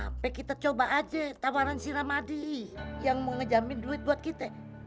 ayo kita coba aja tawaran si ramadi yang mau ngejamin duit buat kita